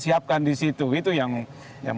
siapkan di situ itu yang